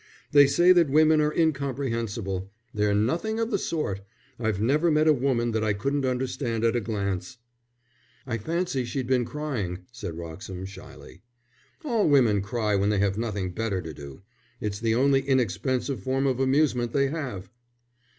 They say that women are incomprehensible. They're nothing of the sort. I've never met a woman that I couldn't understand at a glance." "I fancied she'd been crying," said Wroxham, shyly. "All women cry when they have nothing better to do. It's the only inexpensive form of amusement they have."